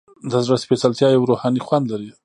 د زړه سپیڅلتیا یو روحاني خوند لري.